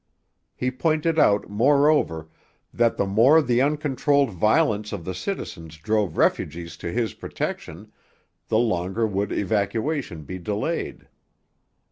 He pointed out, moreover, that the more the uncontrolled violence of their citizens drove refugees to his protection, the longer would evacuation be delayed.